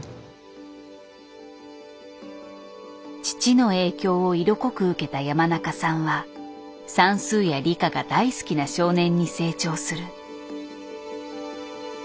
父の影響を色濃く受けた山中さんは算数や理科が大好きな少年に成長する。